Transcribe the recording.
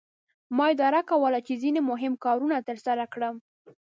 ما اداره کوله چې ځینې مهم کارونه ترسره کړم.